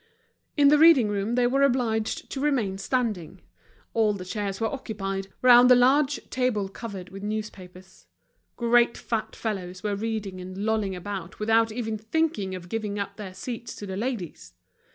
In the reading room they were obliged to remain standing. All the chairs were occupied, round the large table covered with newspapers. Great fat fellows were reading and lolling about without even thinking of giving up their seats to the ladies.